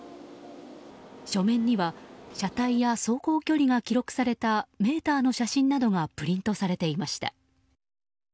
書面には、車体や走行距離が記録されたメーターの写真などがプリントされていました。